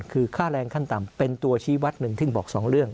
คือค่าแรงขั้นต่ำเป็นตัวชี้วัดหนึ่งซึ่งบอกสองเรื่อง